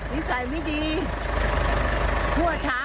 ภาษาแรกที่สุดท้าย